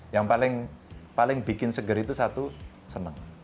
yang paling bikin seger itu satu senang